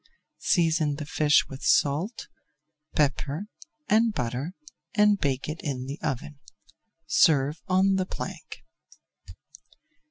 Season the fish with salt, pepper, and butter and bake in the oven. Serve on the plank.